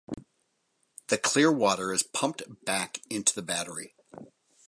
The clear water is pumped back into the battery.